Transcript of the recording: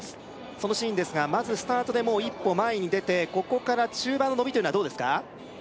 そのシーンですがまずスタートでもう一歩前に出てここから中盤の伸びというのはどうですか？